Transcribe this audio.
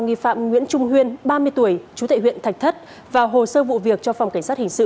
nghi phạm nguyễn trung huyên ba mươi tuổi chú tệ huyện thạch thất và hồ sơ vụ việc cho phòng cảnh sát hình sự